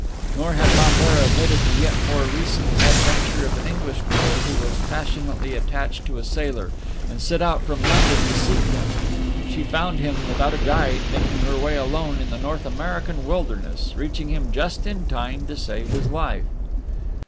Nor had Lambert omitted the yet more recent adventure of an English girl who was passionately attached to a sailor, and set out from London to seek him. She found him, without a guide, making her way alone in the North American wilderness, reaching him just in time to save his life.